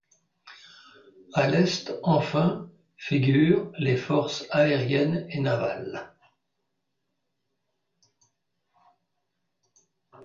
À l'Est enfin figurent les forces aérienne et navale.